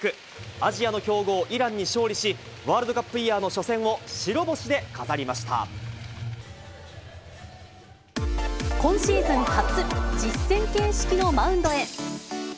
アジアの強豪、イランに勝利し、ワールドカップイヤーの初戦を白今シーズン初、実戦形式のマウンドへ。